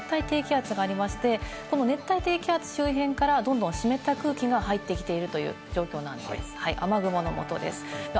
ただ、日本の南に今、熱帯低気圧がありまして、この熱帯低気圧周辺からどんどん湿った空気が入ってきているという状況なんです。